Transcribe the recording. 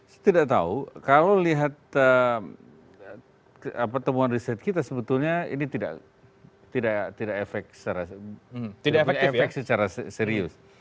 saya tidak tahu kalau lihat pertemuan riset kita sebetulnya ini tidak efek secara serius